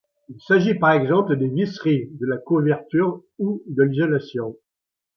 Il s’agit par exemple des visseries, de la couverture ou de l’isolation.